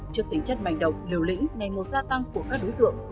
trước tính chất mạnh động liều lĩnh ngày một gia tăng của các đối tượng